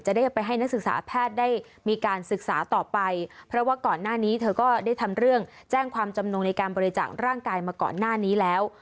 ได้ไปให้นักศึกษาแพทย์ได้มีการศึกษาต่อไปเพราะว่าก่อนหน้านี้เธอก็ได้ทำเรื่องแจ้งความจำนงในการบริจาคร่างกายมาก่อนหน้านี้แล้ว